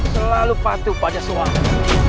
selalu patuh pada suamiku